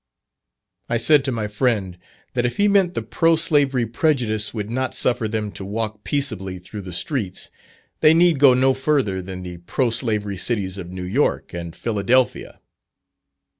I said to my friend, that if he meant the pro slavery prejudice would not suffer them to walk peaceably through the streets, they need go no further than the pro slavery cities of New York and Philadelphia.